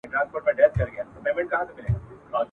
ماشوم ویني په قلا کي توري، غشي، توپکونه ..